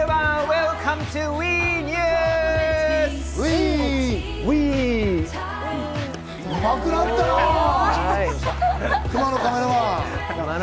うまくなったな！